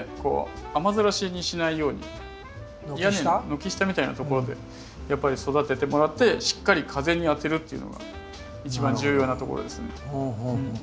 軒下みたいなところでやっぱり育ててもらってしっかり風に当てるっていうのが一番重要なところですね。